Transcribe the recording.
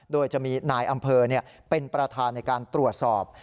โดยจะมีนายอำเภอเป็นประธานในการตรวจสอบ